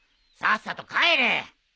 さっさと帰れ！